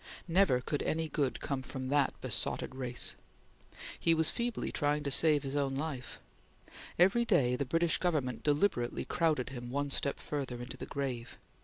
Never could any good come from that besotted race! He was feebly trying to save his own life. Every day the British Government deliberately crowded him one step further into the grave.